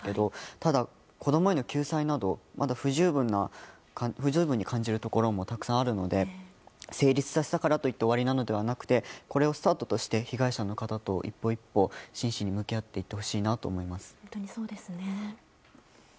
ただ、子供への救済などまだ不十分に感じるところもたくさんあるので成立させたからといって終わりなのではなくてこれをスタートとして被害者の方と一歩一歩真摯に向き合っていってほしいと本当にそうですね。